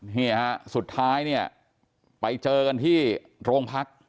นี่ฮะสุดท้ายไปเจอกันที่โรงพักษณ์